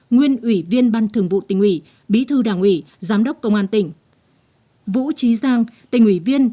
nguyên ủy viên ban thường vụ tỉnh ủy bí thư đảng ủy giám đốc công an tỉnh vũ trí giang tỉnh ủy viên